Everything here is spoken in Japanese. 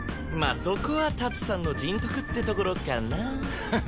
まあそこはタツさんの人徳ってところかな？